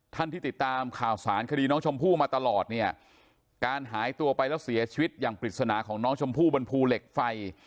ที่ติดตามข่าวสารคดีน้องชมพู่มาตลอดเนี่ยการหายตัวไปแล้วเสียชีวิตอย่างปริศนาของน้องชมพู่บนภูเหล็กไฟ